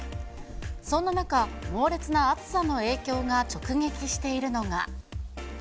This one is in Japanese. そんな中、猛烈な暑さの影響が直撃しているのが。